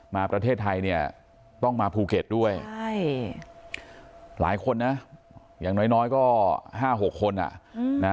ประเทศไทยเนี่ยต้องมาภูเก็ตด้วยใช่หลายคนนะอย่างน้อยก็๕๖คนอ่ะนะ